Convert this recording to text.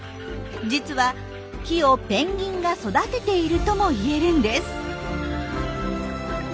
実は木をペンギンが育てているとも言えるんです。